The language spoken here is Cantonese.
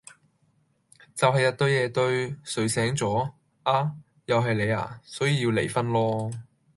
就係日對夜對，睡醒咗：啊?又係你啊?所以要離婚囉。